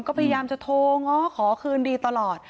ก็พยายามจะโทรง้อขอคืนดีตลอด